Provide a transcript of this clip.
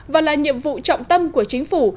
và là nhiệm vụ trọng tâm của chính phủ